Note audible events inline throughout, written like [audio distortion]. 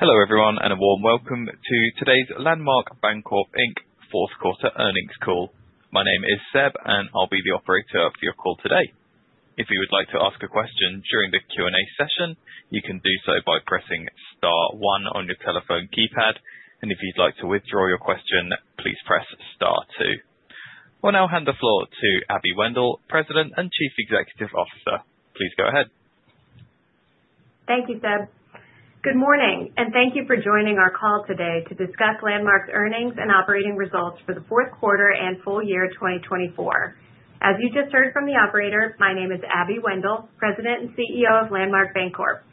Hello everyone, and a warm welcome to today's Landmark Bancorp fourth quarter earnings call. My name is Seb, and I'll be the operator of your call today. If you would like to ask a question during the Q&A session, you can do so by pressing star, one on your telephone keypad, and if you'd like to withdraw your question, please press star, two. I'll now hand the floor to Abby Wendel, President and Chief Executive Officer. Please go ahead. Thank you, Seb. Good morning, and thank you for joining our call today to discuss Landmark's earnings and operating results for the fourth quarter and full year 2024. As you just heard from the operator, my name is Abby Wendel, President and CEO of Landmark Bancorp.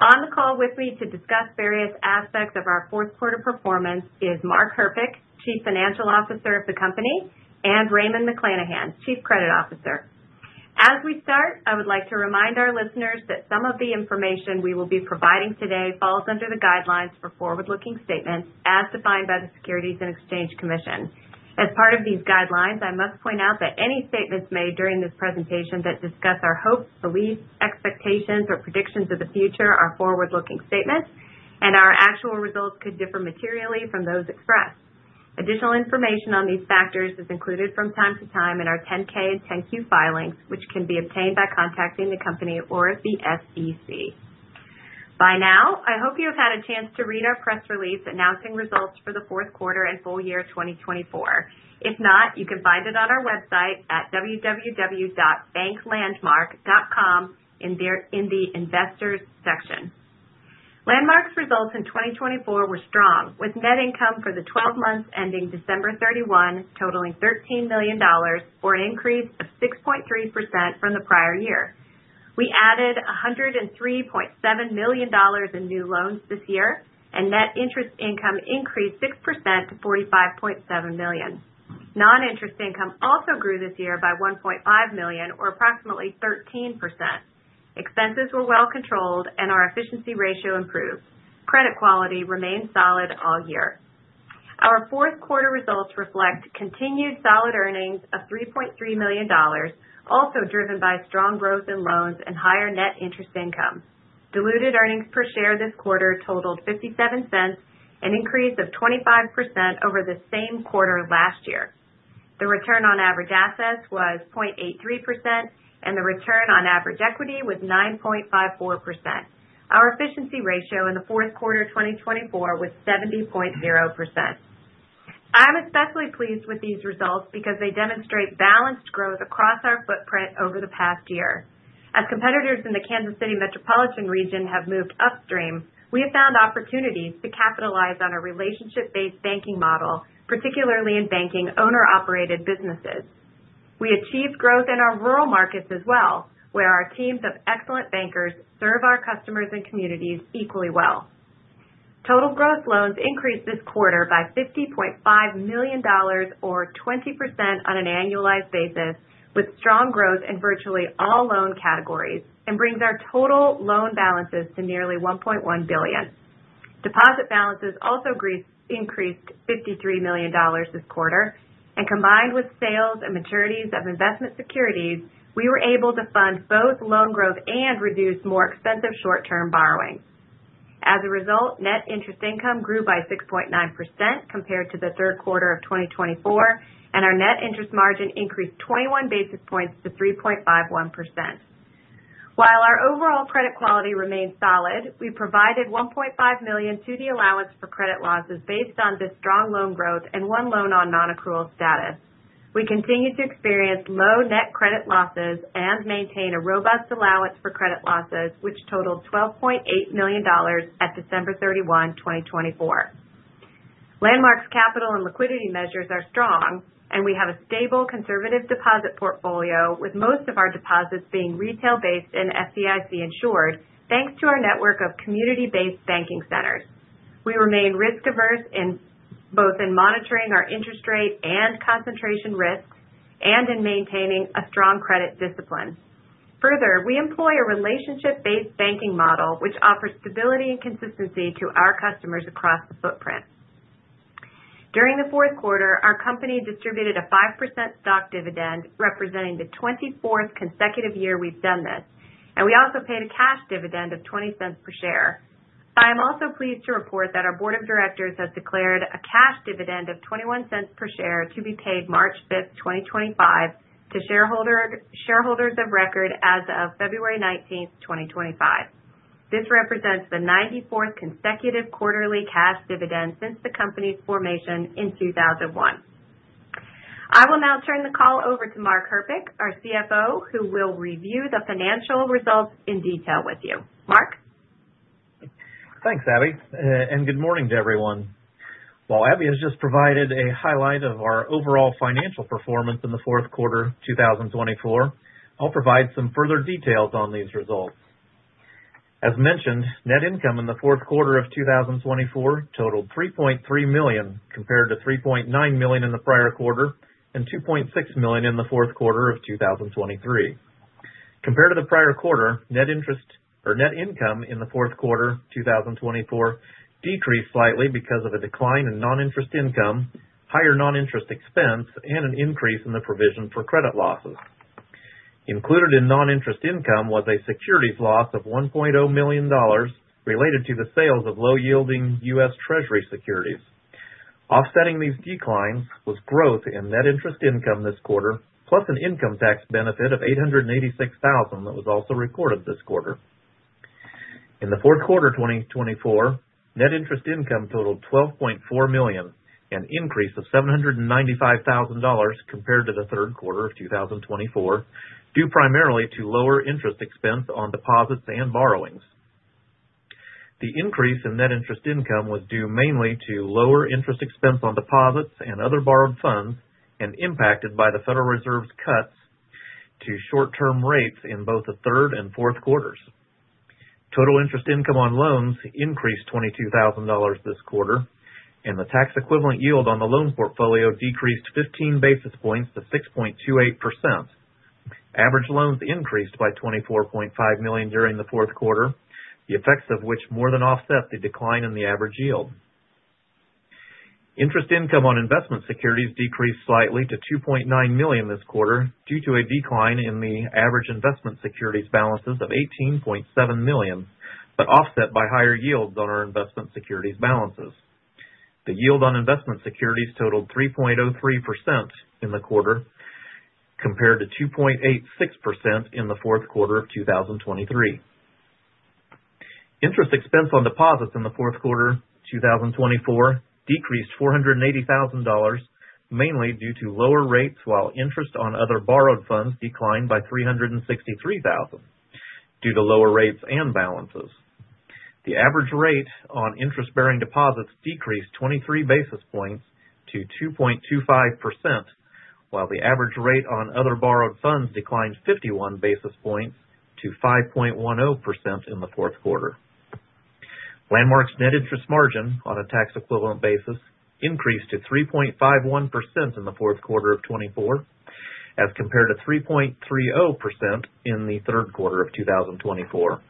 On the call with me to discuss various aspects of our fourth quarter performance is Mark Herpich, Chief Financial Officer of the company, and Raymond McLanahan, Chief Credit Officer. As we start, I would like to remind our listeners that some of the information we will be providing today falls under the guidelines for forward-looking statements as defined by the Securities and Exchange Commission. As part of these guidelines, I must point out that any statements made during this presentation that discuss our hopes, beliefs, expectations, or predictions of the future are forward-looking statements, and our actual results could differ materially from those expressed. Additional information on these factors is included from time to time in our 10-K and 10-Q filings, which can be obtained by contacting the company or the SEC. By now, I hope you have had a chance to read our press release announcing results for the fourth quarter and full year 2024. If not, you can find it on our website at www.banklandmark.com in the Investors section. Landmark's results in 2024 were strong, with net income for the 12 months ending December 31 totaling $13 million, or an increase of 6.3% from the prior year. We added $103.7 million in new loans this year, and net interest income increased 6% to $45.7 million. Non-interest income also grew this year by $1.5 million, or approximately 13%. Expenses were well controlled, and our efficiency ratio improved. Credit quality remained solid all year. Our fourth quarter results reflect continued solid earnings of $3.3 million, also driven by strong growth in loans and higher net interest income. Diluted earnings per share this quarter totaled $0.57, an increase of 25% over the same quarter last year. The return on average assets was 0.83%, and the return on average equity was 9.54%. Our efficiency ratio in the fourth quarter 2024 was 70.0%. I'm especially pleased with these results because they demonstrate balanced growth across our footprint over the past year. As competitors in the Kansas City metropolitan region have moved upstream, we have found opportunities to capitalize on our relationship-based banking model, particularly in banking owner-operated businesses. We achieved growth in our rural markets as well, where our teams of excellent bankers serve our customers and communities equally well. Total gross loans increased this quarter by $50.5 million, or 20% on an annualized basis, with strong growth in virtually all loan categories, and brings our total loan balances to nearly $1.1 billion. Deposit balances also increased $53 million this quarter, and combined with sales and maturities of investment securities, we were able to fund both loan growth and reduce more expensive short-term borrowing. As a result, net interest income grew by 6.9% compared to the third quarter of 2024, and our net interest margin increased 21 basis points to 3.51%. While our overall credit quality remained solid, we provided $1.5 million to the allowance for credit losses based on this strong loan growth and one loan on non-accrual status. We continue to experience low net credit losses and maintain a robust allowance for credit losses, which totaled $12.8 million at December 31, 2024. Landmark's capital and liquidity measures are strong, and we have a stable, conservative deposit portfolio, with most of our deposits being retail-based and FDIC insured, thanks to our network of community-based banking centers. We remain risk-averse in both monitoring our interest rate and concentration risks, and in maintaining a strong credit discipline. Further, we employ a relationship-based banking model, which offers stability and consistency to our customers across the footprint. During the fourth quarter, our company distributed a 5% stock dividend, representing the 24th consecutive year we've done this, and we also paid a cash dividend of $0.20 per share. I am also pleased to report that our Board of Directors has declared a cash dividend of $0.21 per share to be paid March 5, 2025, to shareholders of record as of February 19, 2025. This represents the 94th consecutive quarterly cash dividend since the company's formation in 2001. I will now turn the call over to Mark Herpich, our CFO, who will review the financial results in detail with you. Mark? Thanks, Abby, and good morning to everyone. While Abby has just provided a highlight of our overall financial performance in the fourth quarter 2024, I'll provide some further details on these results. As mentioned, net income in the fourth quarter of 2024 totaled $3.3 million, compared to $3.9 million in the prior quarter and $2.6 million in the fourth quarter of 2023. Compared to the prior quarter, net income in the fourth quarter 2024 decreased slightly because of a decline in non-interest income, higher non-interest expense, and an increase in the provision for credit losses. Included in non-interest income was a securities loss of $1.0 million related to the sales of low-yielding U.S. Treasury securities. Offsetting these declines was growth in net interest income this quarter, plus an income tax benefit of $886,000 that was also recorded this quarter. In the fourth quarter 2024, net interest income totaled $12.4 million, an increase of $795,000 compared to the third quarter of 2024, due primarily to lower interest expense on deposits and borrowings. The increase in net interest income was due mainly to lower interest expense on deposits and other borrowed funds, and impacted by the Federal Reserve's cuts to short-term rates in both the third and fourth quarters. Total interest income on loans increased $22,000 this quarter, and the tax-equivalent yield on the loan portfolio decreased 15 basis points to 6.28%. Average loans increased by $24.5 million during the fourth quarter, the effects of which more than offset the decline in the average yield. Interest income on investment securities decreased slightly to $2.9 million this quarter due to a decline in the average investment securities balances of $18.7 million, but offset by higher yields on our investment securities balances. The yield on investment securities totaled 3.03% in the quarter, compared to 2.86% in the fourth quarter of 2023. Interest expense on deposits in the fourth quarter 2024 decreased $480,000, mainly due to lower rates, while interest on other borrowed funds declined by $363,000 due to lower rates and balances. The average rate on interest-bearing deposits decreased 23 basis points to 2.25%, while the average rate on other borrowed funds declined 51 basis points to 5.10% in the fourth quarter. Landmark's net interest margin on a tax-equivalent basis increased to 3.51% in the fourth quarter of 2024, as compared to 3.30% in the third quarter of 2024.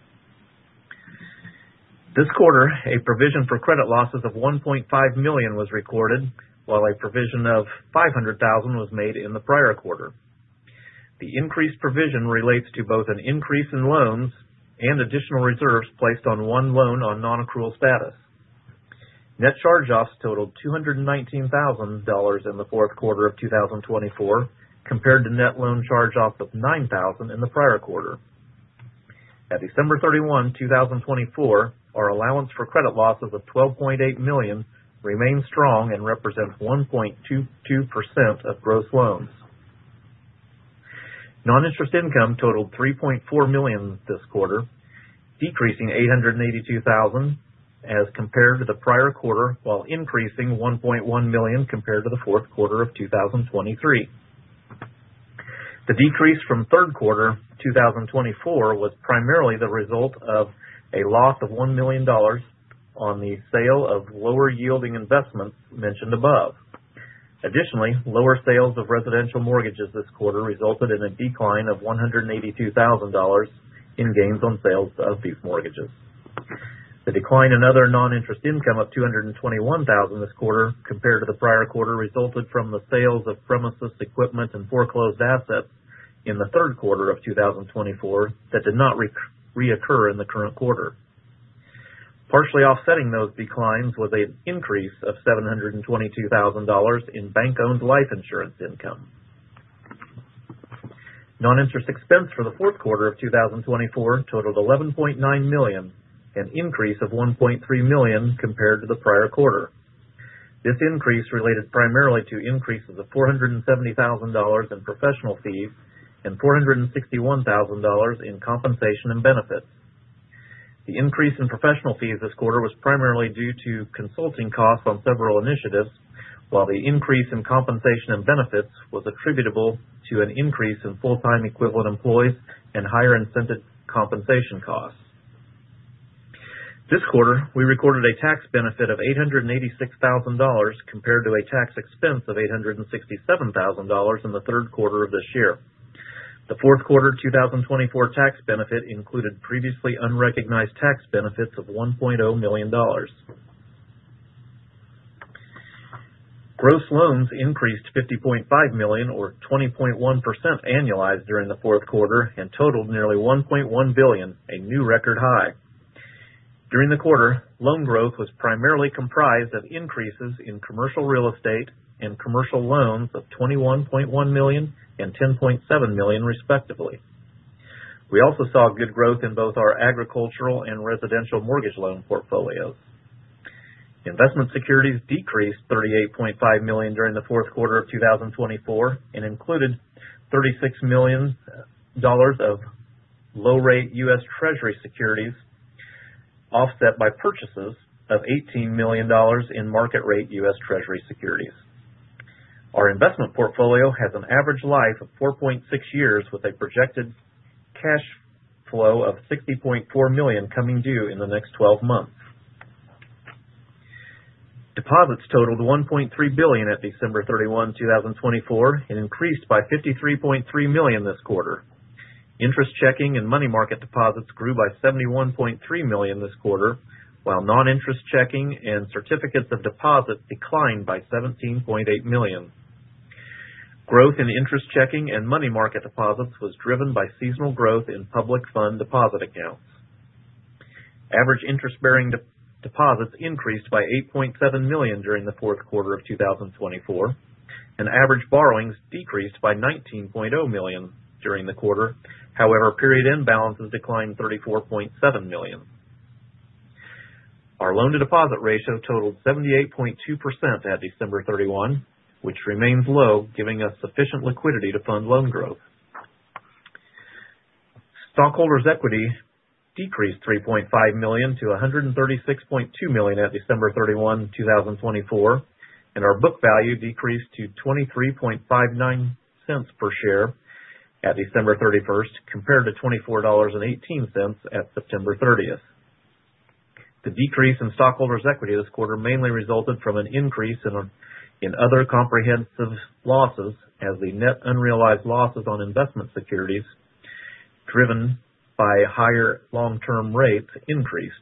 This quarter, a provision for credit losses of $1.5 million was recorded, while a provision of $500,000 was made in the prior quarter. The increased provision relates to both an increase in loans and additional reserves placed on one loan on non-accrual status. Net charge-offs totaled $219,000 in the fourth quarter of 2024, compared to net loan charge-offs of $9,000 in the prior quarter. At December 31, 2024, our allowance for credit losses of $12.8 million remained strong and represents 1.22% of gross loans. Non-interest income totaled $3.4 million this quarter, decreasing $882,000 as compared to the prior quarter, while increasing $1.1 million compared to the fourth quarter of 2023. The decrease from third quarter 2024 was primarily the result of a loss of $1 million on the sale of lower-yielding investments mentioned above. Additionally, lower sales of residential mortgages this quarter resulted in a decline of $182,000 in gains on sales of these mortgages. The decline in other non-interest income of $221,000 this quarter, compared to the prior quarter, resulted from the sales of premises, equipment, and foreclosed assets in the third quarter of 2024 that did not reoccur in the current quarter. Partially offsetting those declines was an increase of $722,000 in bank-owned life insurance income. Non-interest expense for the fourth quarter of 2024 totaled $11.9 million, an increase of $1.3 million compared to the prior quarter. This increase related primarily to increases of $470,000 in professional fees and $461,000 in compensation and benefits. The increase in professional fees this quarter was primarily due to consulting costs on several initiatives, while the increase in compensation and benefits was attributable to an increase in full-time equivalent employees and higher incentive compensation costs. This quarter, we recorded a tax benefit of $886,000 compared to a tax expense of $867,000 in the third quarter of this year. The fourth quarter 2024 tax benefit included previously unrecognized tax benefits of $1.0 million. Gross loans increased $50.5 million, or 20.1% annualized during the fourth quarter, and totaled nearly $1.1 billion, a new record high. During the quarter, loan growth was primarily comprised of increases in commercial real estate and commercial loans of $21.1 million and $10.7 million, respectively. We also saw good growth in both our agricultural and residential mortgage loan portfolios. Investment securities decreased $38.5 million during the fourth quarter of 2024 and included $36 million of low-rate U.S. Treasury securities, offset by purchases of $18 million in market-rate U.S. Treasury securities. Our investment portfolio has an average life of 4.6 years, with a projected cash flow of $60.4 million coming due in the next 12 months. Deposits totaled $1.3 billion at December 31, 2024, and increased by $53.3 million this quarter. Interest checking and money market deposits grew by $71.3 million this quarter, while non-interest checking and certificates of deposit declined by $17.8 million. Growth in interest checking and money market deposits was driven by seasonal growth in public fund deposit accounts. Average interest-bearing deposits increased by $8.7 million during the fourth quarter of 2024, and average borrowings decreased by $19.0 million during the quarter. However, period end balances declined $34.7 million. Our loan-to-deposit ratio totaled 78.2% at December 31, which remains low, giving us sufficient liquidity to fund loan growth. Stockholders' equity decreased $3.5 million to $136.2 million at December 31, 2024, and our book value decreased to $23.59 per share at December 31, compared to $24.18 at September 30. The decrease in stockholders' equity this quarter mainly resulted from an increase in other comprehensive losses, as the net unrealized losses on investment securities, driven by higher long-term rates, increased.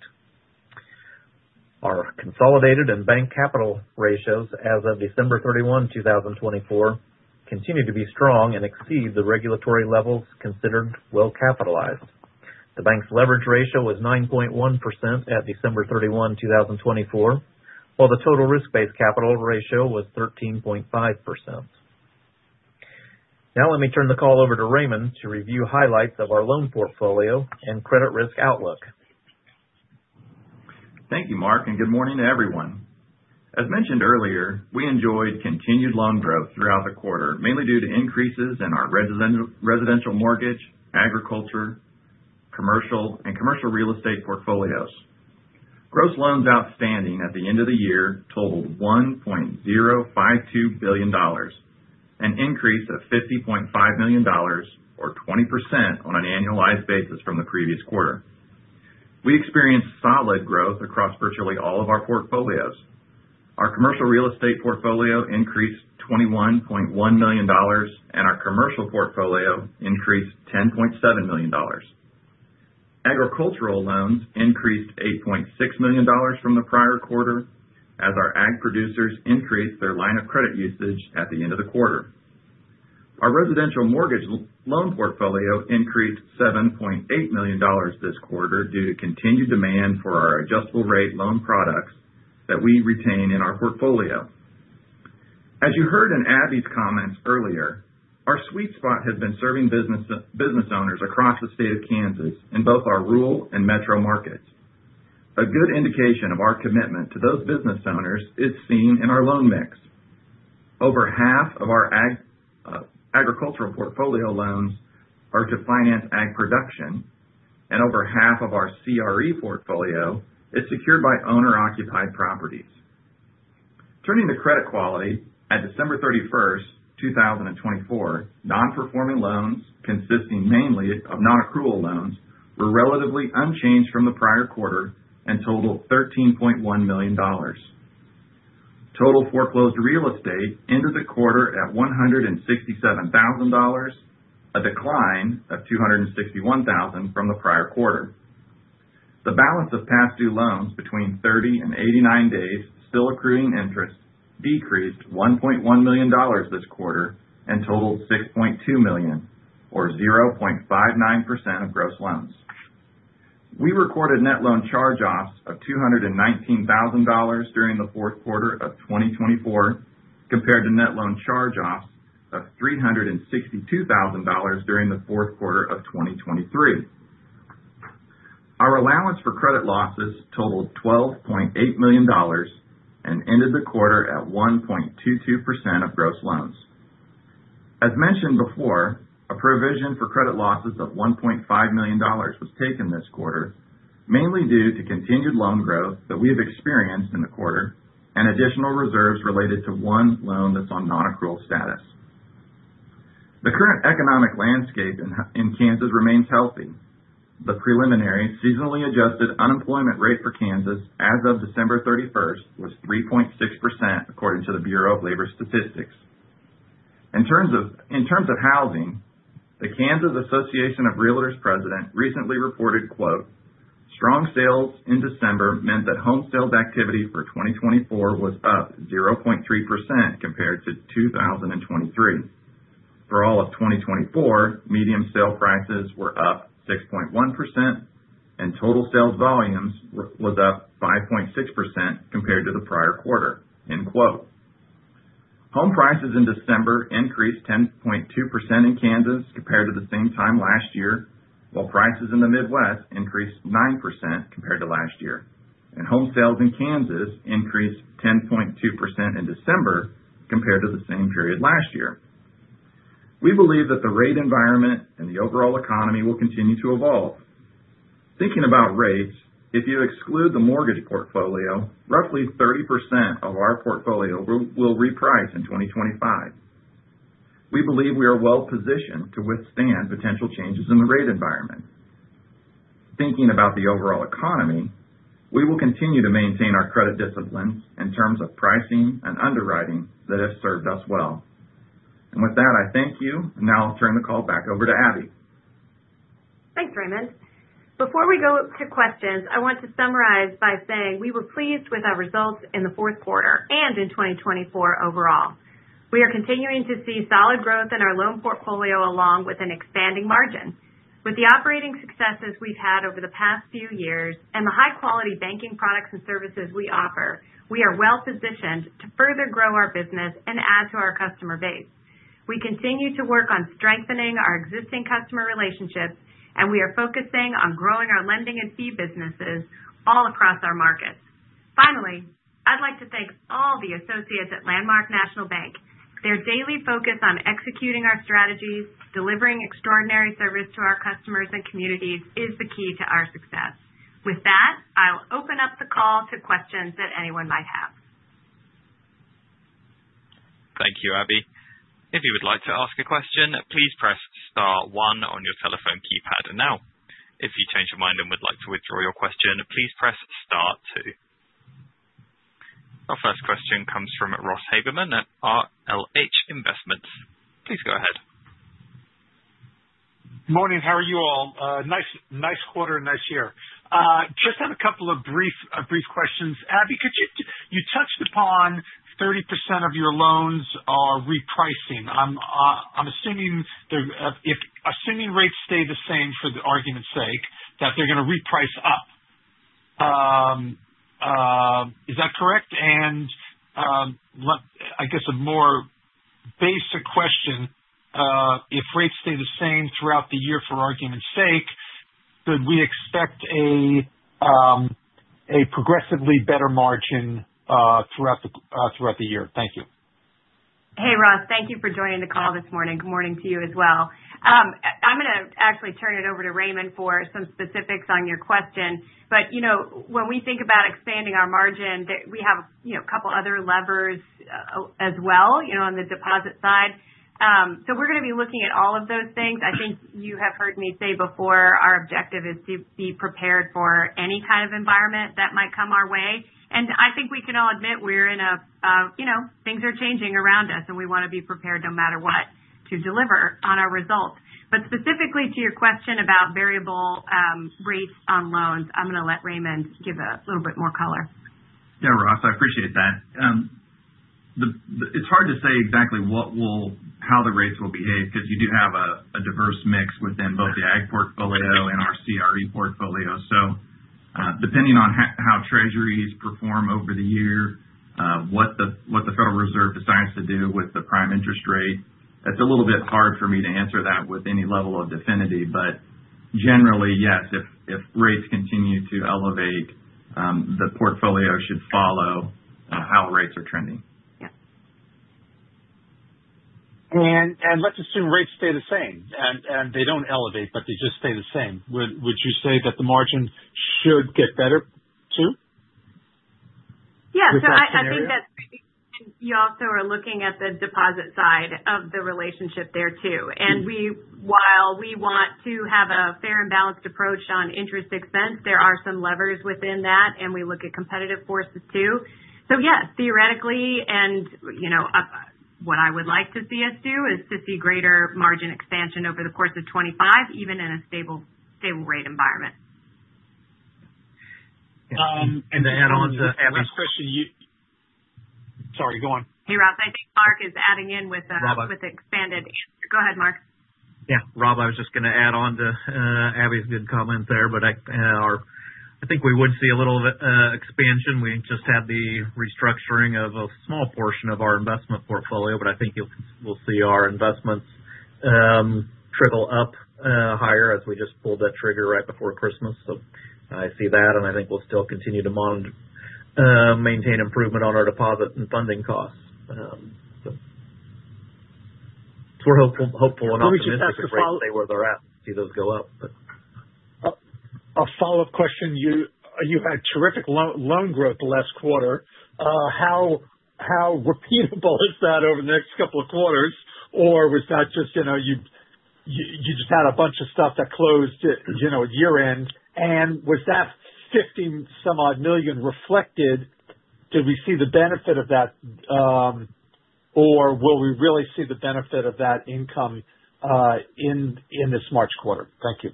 Our consolidated and bank capital ratios as of December 31, 2024, continue to be strong and exceed the regulatory levels considered well-capitalized. The bank's leverage ratio was 9.1% at December 31, 2024, while the total risk-based capital ratio was 13.5%. Now let me turn the call over to Raymond to review highlights of our loan portfolio and credit risk outlook. Thank you, Mark, and good morning to everyone. As mentioned earlier, we enjoyed continued loan growth throughout the quarter, mainly due to increases in our residential mortgage, agriculture, commercial, and commercial real estate portfolios. Gross loans outstanding at the end of the year totaled $1.052 billion, an increase of $50.5 million, or 20% on an annualized basis from the previous quarter. We experienced solid growth across virtually all of our portfolios. Our commercial real estate portfolio increased $21.1 million, and our commercial portfolio increased $10.7 million. Agricultural loans increased $8.6 million from the prior quarter, as our ag producers increased their line of credit usage at the end of the quarter. Our residential mortgage loan portfolio increased $7.8 million this quarter due to continued demand for our adjustable-rate loan products that we retain in our portfolio. As you heard in Abby's comments earlier, our sweet spot has been serving business owners across the state of Kansas in both our rural and metro markets. A good indication of our commitment to those business owners is seen in our loan mix. Over half of our agricultural portfolio loans are to finance ag production, and over half of our CRE portfolio is secured by owner-occupied properties. Turning to credit quality, at December 31st, 2024, non-performing loans, consisting mainly of non-accrual loans, were relatively unchanged from the prior quarter and totaled $13.1 million. Total foreclosed real estate ended the quarter at $167,000, a decline of $261,000 from the prior quarter. The balance of past due loans between 30 and 89 days, still accruing interest, decreased $1.1 million this quarter and totaled $6.2 million, or 0.59% of gross loans. We recorded net loan charge-offs of $219,000 during the fourth quarter of 2024, compared to net loan charge-offs of $362,000 during the fourth quarter of 2023. Our allowance for credit losses totaled $12.8 million and ended the quarter at 1.22% of gross loans. As mentioned before, a provision for credit losses of $1.5 million was taken this quarter, mainly due to continued loan growth that we have experienced in the quarter and additional reserves related to one loan that's on non-accrual status. The current economic landscape in Kansas remains healthy. The preliminary seasonally adjusted unemployment rate for Kansas as of December 31 was 3.6%, according to the Bureau of Labor Statistics. In terms of housing, the Kansas Association of Realtors President recently reported, "Strong sales in December meant that home sales activity for 2024 was up 0.3% compared to 2023. For all of 2024, median sale prices were up 6.1%, and total sales volume was up 5.6% compared to the prior quarter." Home prices in December increased 10.2% in Kansas compared to the same time last year, while prices in the Midwest increased 9% compared to last year, and home sales in Kansas increased 10.2% in December compared to the same period last year. We believe that the rate environment and the overall economy will continue to evolve. Thinking about rates, if you exclude the mortgage portfolio, roughly 30% of our portfolio will reprice in 2025. We believe we are well-positioned to withstand potential changes in the rate environment. Thinking about the overall economy, we will continue to maintain our credit disciplines in terms of pricing and underwriting that have served us well. I thank you, and now I'll turn the call back over to Abby. Thanks, Raymond. Before we go to questions, I want to summarize by saying we were pleased with our results in the fourth quarter and in 2024 overall. We are continuing to see solid growth in our loan portfolio along with an expanding margin. With the operating successes we've had over the past few years and the high-quality banking products and services we offer, we are well-positioned to further grow our business and add to our customer base. We continue to work on strengthening our existing customer relationships, and we are focusing on growing our lending and fee businesses all across our markets. Finally, I'd like to thank all the associates at Landmark National Bank. Their daily focus on executing our strategies, delivering extraordinary service to our customers and communities, is the key to our success. With that, I'll open up the call to questions that anyone might have. Thank you, Abby. If you would like to ask a question, please press star, one on your telephone keypad. Now, if you change your mind and would like to withdraw your question, please press star, two. Our first question comes from Ross Haberman at RLH Investments. Please go ahead. Good morning. How are you all? Nice quarter and nice year. Just have a couple of brief questions. Abby, you touched upon 30% of your loans are repricing. I'm assuming rates stay the same for the argument's sake, that they're going to reprice up. Is that correct? I guess a more basic question, if rates stay the same throughout the year, for argument's sake, could we expect a progressively better margin throughout the year? Thank you. Hey, Ross. Thank you for joining the call this morning. Good morning to you as well. I'm going to actually turn it over to Raymond for some specifics on your question. When we think about expanding our margin, we have a couple of other levers as well on the deposit side. We are going to be looking at all of those things. I think you have heard me say before, our objective is to be prepared for any kind of environment that might come our way. I think we can all admit we are in a things are changing around us, and we want to be prepared no matter what to deliver on our results. Specifically to your question about variable rates on loans, I'm going to let Raymond give a little bit more color. Yeah, Ross, I appreciate that. It's hard to say exactly how the rates will behave because you do have a diverse mix within both the ag portfolio and our CRE portfolio. Depending on how Treasuries perform over the year, what the Federal Reserve decides to do with the prime interest rate, it's a little bit hard for me to answer that with any level of definitivity. Generally, yes, if rates continue to elevate, the portfolio should follow how rates are trending. Let's assume rates stay the same, and they do not elevate, but they just stay the same. Would you say that the margin should get better too? Yeah. I think that you also are looking at the deposit side of the relationship there too. While we want to have a fair and balanced approach on interest expense, there are some levers within that, and we look at competitive forces too. Yes, theoretically, and what I would like to see us do is to see greater margin expansion over the course of 2025, even in a stable rate environment. [audio distortion] Hey, Ross. I think Mark is adding in with expanded answer. Go ahead, Mark. Yeah, Ross, I was just going to add on to Abby's good comment there. I think we would see a little expansion. We just had the restructuring of a small portion of our investment portfolio, but I think we'll see our investments trickle up higher as we just pulled that trigger right before Christmas. I see that, and I think we'll still continue to maintain improvement on our deposit and funding costs. We're hopeful enough [audio distortion] they're at and see those go up. A follow-up question. You had terrific loan growth the last quarter. How repeatable is that over the next couple of quarters? Was that just you just had a bunch of stuff that closed at year-end? Was that $50-some-odd million reflected? Did we see the benefit of that, or will we really see the benefit of that income in this March quarter? Thank you.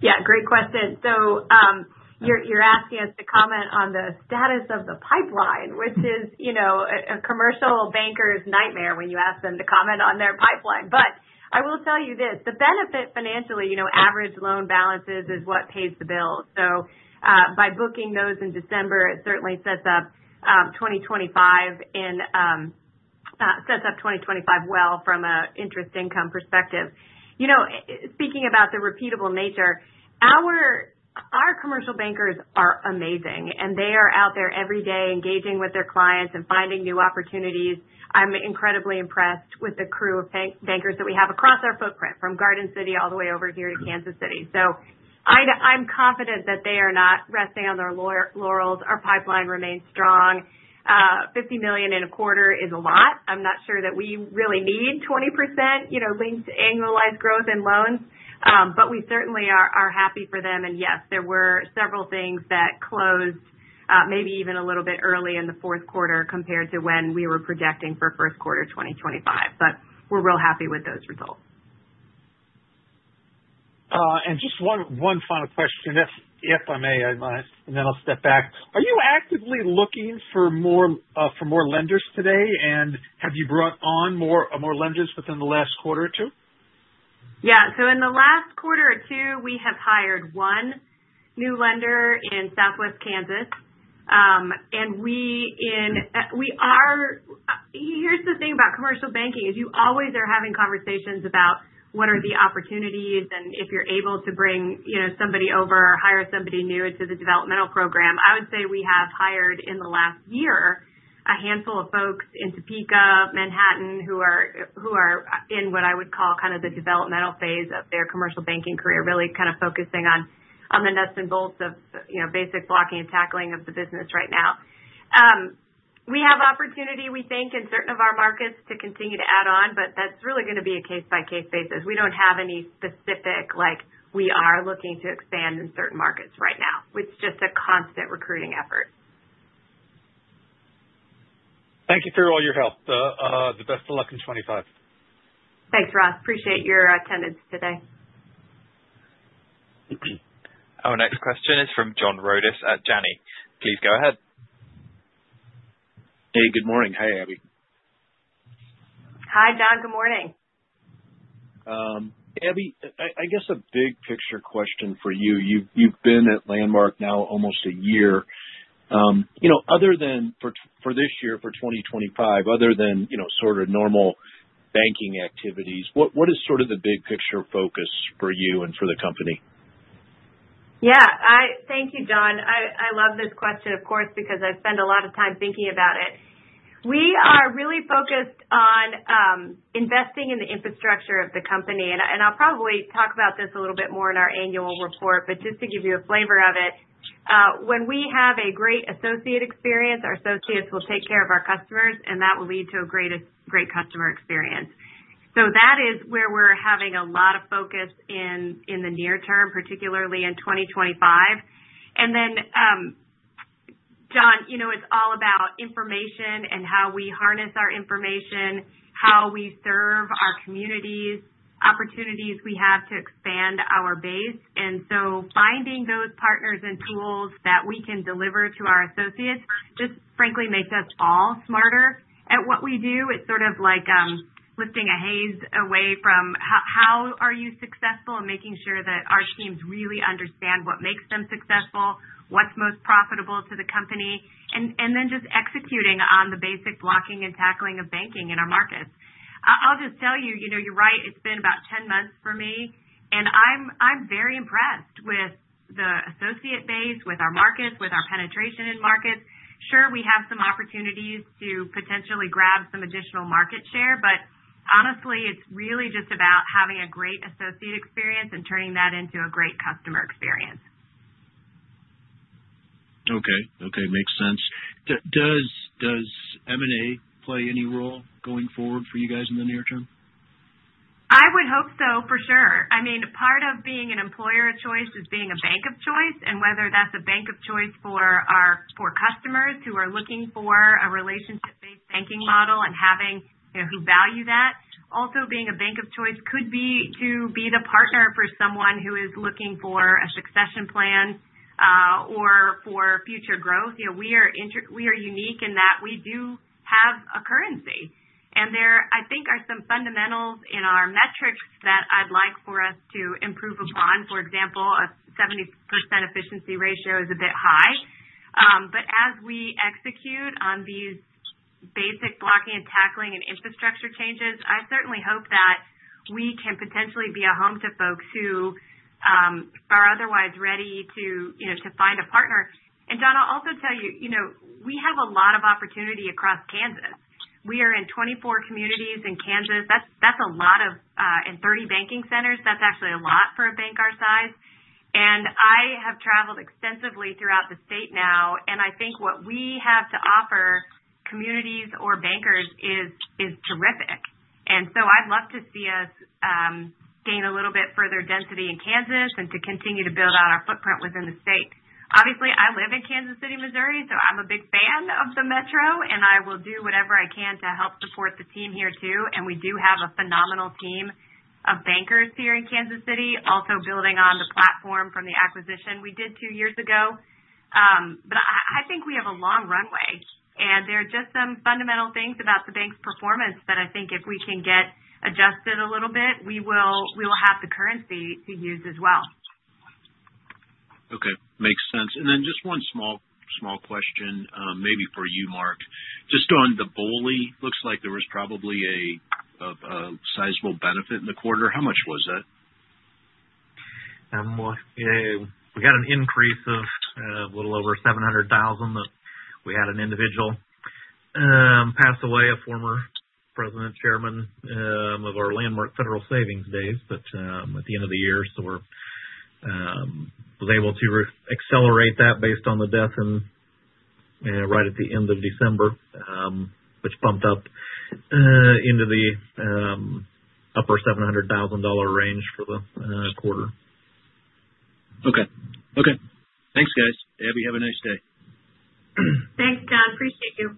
Yeah, great question. You're asking us to comment on the status of the pipeline, which is a commercial banker's nightmare when you ask them to comment on their pipeline. I will tell you this. The benefit financially, average loan balances is what pays the bill. By booking those in December, it certainly sets up 2025 well from an interest income perspective. Speaking about the repeatable nature, our commercial bankers are amazing, and they are out there every day engaging with their clients and finding new opportunities. I'm incredibly impressed with the crew of bankers that we have across our footprint, from Garden City all the way over here to Kansas City. I'm confident that they are not resting on their laurels. Our pipeline remains strong. $50 million in a quarter is a lot. I'm not sure that we really need 20% linked to annualized growth in loans, but we certainly are happy for them. Yes, there were several things that closed maybe even a little bit early in the fourth quarter compared to when we were projecting for first quarter 2025. We are real happy with those results. Just one final question, if I may, and then I'll step back. Are you actively looking for more lenders today, and have you brought on more lenders within the last quarter or two? Yeah. In the last quarter or two, we have hired one new lender in Southwest Kansas. Here's the thing about commercial banking: you always are having conversations about what are the opportunities and if you're able to bring somebody over or hire somebody new into the developmental program. I would say we have hired in the last year a handful of folks in Topeka, Manhattan, who are in what I would call kind of the developmental phase of their commercial banking career, really kind of focusing on the nuts and bolts of basic blocking and tackling of the business right now. We have opportunity, we think, in certain of our markets to continue to add on, but that's really going to be a case-by-case basis. We do not have any specific, like, we are looking to expand in certain markets right now. It's just a constant recruiting effort. Thank you for all your help. The best of luck in 2025. Thanks, Ross. Appreciate your attendance today. Our next question is from John Rodis at Janney. Please go ahead. Hey, good morning. Hey, Abby. Hi, John. Good morning. Abby, I guess a big picture question for you. You've been at Landmark now almost a year. For this year, for 2025, other than sort of normal banking activities, what is sort of the big picture focus for you and for the company? Yeah. Thank you, John. I love this question, of course, because I spend a lot of time thinking about it. We are really focused on investing in the infrastructure of the company. I will probably talk about this a little bit more in our annual report, but just to give you a flavor of it, when we have a great associate experience, our associates will take care of our customers, and that will lead to a great customer experience. That is where we are having a lot of focus in the near term, particularly in 2025. John, it is all about information and how we harness our information, how we serve our communities, opportunities we have to expand our base. Finding those partners and tools that we can deliver to our associates just frankly makes us all smarter at what we do. It's sort of like lifting a haze away from how are you successful and making sure that our teams really understand what makes them successful, what's most profitable to the company, and then just executing on the basic blocking and tackling of banking in our markets. I'll just tell you, you're right, it's been about 10 months for me, and I'm very impressed with the associate base, with our markets, with our penetration in markets. Sure, we have some opportunities to potentially grab some additional market share, but honestly, it's really just about having a great associate experience and turning that into a great customer experience. Okay. Okay. Makes sense. Does M&A play any role going forward for you guys in the near term? I would hope so, for sure. I mean, part of being an employer of choice is being a bank of choice, and whether that's a bank of choice for our customers who are looking for a relationship-based banking model and who value that. Also, being a bank of choice could be to be the partner for someone who is looking for a succession plan or for future growth. We are unique in that we do have a currency. There I think are some fundamentals in our metrics that I'd like for us to improve upon. For example, a 70% efficiency ratio is a bit high. As we execute on these basic blocking and tackling and infrastructure changes, I certainly hope that we can potentially be a home to folks who are otherwise ready to find a partner. John, I'll also tell you, we have a lot of opportunity across Kansas. We are in 24 communities in Kansas. That is a lot in 30 banking centers. That is actually a lot for a bank our size. I have traveled extensively throughout the state now, and I think what we have to offer communities or bankers is terrific. I would love to see us gain a little bit further density in Kansas and to continue to build out our footprint within the state. Obviously, I live in Kansas City, Missouri, so I am a big fan of the metro, and I will do whatever I can to help support the team here too. We do have a phenomenal team of bankers here in Kansas City, also building on the platform from the acquisition we did two years ago. I think we have a long runway, and there are just some fundamental things about the bank's performance that I think if we can get adjusted a little bit, we will have the currency to use as well. Okay. Makes sense. Just one small question maybe for you, Mark. Just on the Boley, looks like there was probably a sizable benefit in the quarter. How much was that? We got an increase of a little over $700,000 that we had an individual pass away, a former president, chairman of our Landmark Federal Savings days, at the end of the year. We were able to accelerate that based on the death right at the end of December, which bumped up into the upper $700,000 range for the quarter. Okay. Okay. Thanks, guys. Abby, have a nice day. Thanks, John. Appreciate you.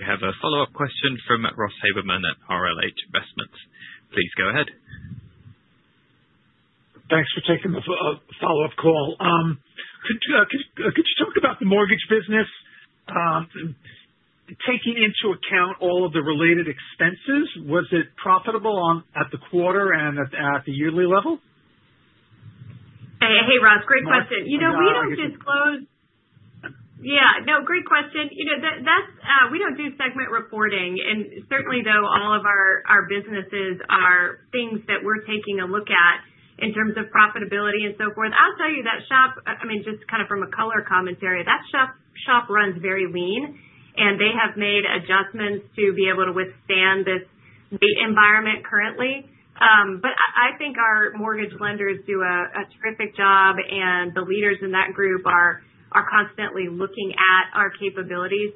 We have a follow-up question from Ross Haberman at RLH Investments. Please go ahead. Thanks for taking the follow-up call. Could you talk about the mortgage business? Taking into account all of the related expenses, was it profitable at the quarter and at the yearly level? Hey, Ross. Great question. We don't disclose. Yeah. No, great question. We don't do segment reporting. Certainly, though, all of our businesses are things that we're taking a look at in terms of profitability and so forth. I'll tell you that shop, I mean, just kind of from a color commentary, that shop runs very lean, and they have made adjustments to be able to withstand this rate environment currently. I think our mortgage lenders do a terrific job, and the leaders in that group are constantly looking at our capabilities.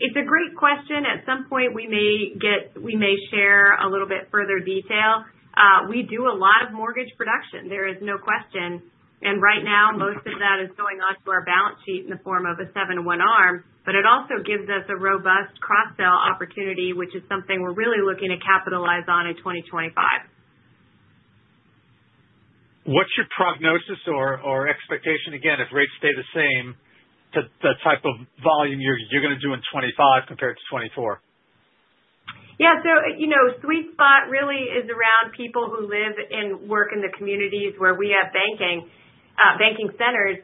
It's a great question. At some point, we may share a little bit further detail. We do a lot of mortgage production. There is no question. Right now, most of that is going onto our balance sheet in the form of a 701(R), but it also gives us a robust cross-sell opportunity, which is something we're really looking to capitalize on in 2025. What's your prognosis or expectation, again, if rates stay the same, the type of volume you're going to do in 2025 compared to 2024? Yeah. Sweet pot really is around people who live and work in the communities where we have banking centers.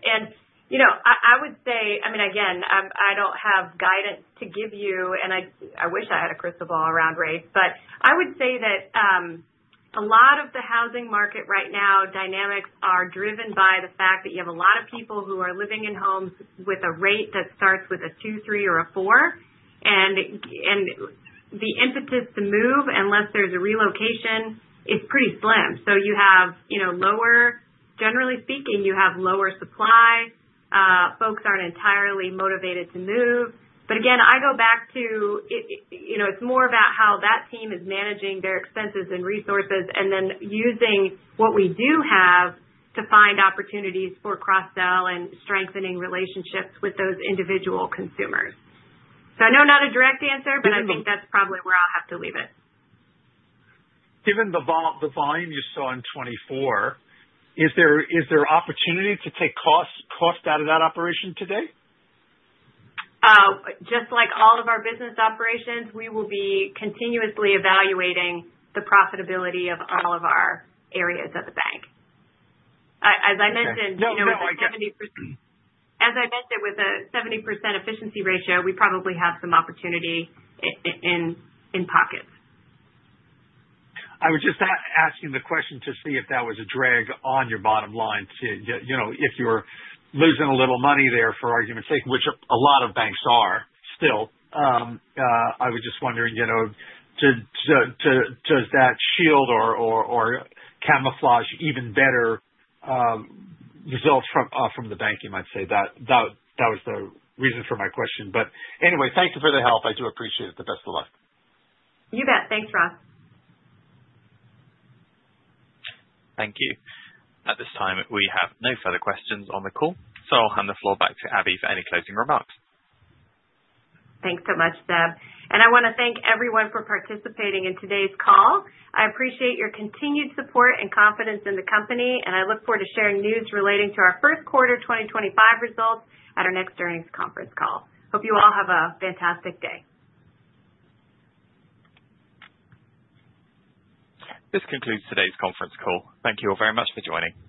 I would say, I mean, again, I do not have guidance to give you, and I wish I had a crystal ball around rates, but I would say that a lot of the housing market right now, dynamics are driven by the fact that you have a lot of people who are living in homes with a rate that starts with a 2, 3, or a 4. The impetus to move, unless there is a relocation, is pretty slim. You have lower—generally speaking, you have lower supply. Folks are not entirely motivated to move. Again, I go back to it's more about how that team is managing their expenses and resources and then using what we do have to find opportunities for cross-sell and strengthening relationships with those individual consumers. I know not a direct answer, but I think that's probably where I'll have to leave it. Given the volume you saw in 2024, is there opportunity to take cost out of that operation today? Just like all of our business operations, we will be continuously evaluating the profitability of all of our areas of the bank, as I mentioned. No, no, I get it. As I mentioned, with a 70% efficiency ratio, we probably have some opportunity in pockets. I was just asking the question to see if that was a drag on your bottom line if you're losing a little money there for argument's sake, which a lot of banks are still. I was just wondering, does that shield or camouflage even better results from the bank, you might say? That was the reason for my question. Anyway, thank you for the help. I do appreciate it. The best of luck. You bet. Thanks, Ross. Thank you. At this time, we have no further questions on the call. I'll hand the floor back to Abby for any closing remarks. Thank you so much, Seb. I want to thank everyone for participating in today's call. I appreciate your continued support and confidence in the company, and I look forward to sharing news relating to our first quarter 2025 results at our next earnings conference call. Hope you all have a fantastic day. This concludes today's conference call. Thank you all very much for joining.